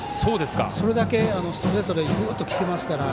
それだけストライクでぐーっときていますから。